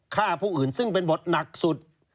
ฆ่าผู้อื่นซึ่งเป็นบทหนักสุด